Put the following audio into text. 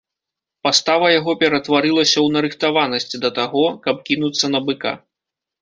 Пастава яго ператварылася ў нарыхтаванасць да таго, каб кінуцца на быка.